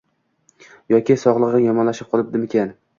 Yoki sog`lig`i yomonlashib qoldimikan